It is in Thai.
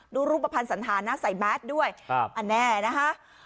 รูปภัณฑ์สันธารนะใส่แมสด้วยอันแน่นะคะ